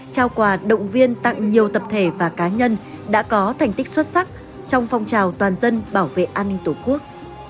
trao quà động viên tặng nhiều tập thể và cá nhân đã có thành tích xuất sắc trong phong trào toàn dân bảo vệ an ninh tổ quốc